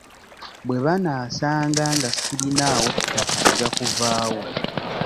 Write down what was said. Bwe banaasanga nga sirinaawo ttaka nja kuvaawo.